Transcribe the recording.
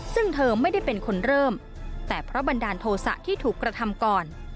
ซึ่งเธอไม่ได้เป็นคนเริ่มแต่เพราะบันดาลโทษะที่ถูกกระทำก่อน